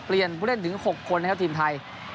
ผู้เล่นถึง๖คนนะครับทีมไทย